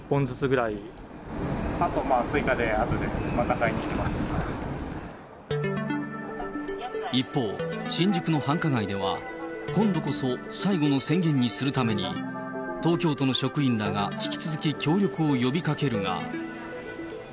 あと、一方、新宿の繁華街では、今度こそ最後の宣言にするために、東京都の職員らが引き続き協力を呼びかけるが。